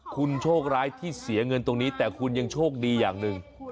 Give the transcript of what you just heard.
คุณโชคร้ายที่เสียเงินตรงนี้แต่คุณยังโชคดีอย่างหนึ่ง